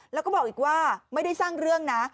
แล้วก็บอกอีกว่าไม่ได้สร้างเรื่องนะ